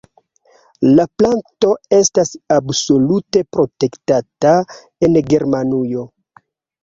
La planto estas absolute protektata en Germanujo.